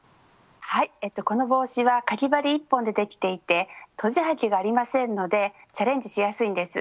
はいこの帽子はかぎ針１本でできていてとじはぎがありませんのでチャレンジしやすいんです。